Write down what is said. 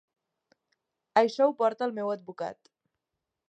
Això ho porta el meu advocat.